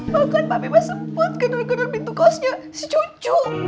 bahkan papi masih sempet gedor gedor pintu kosnya si cucu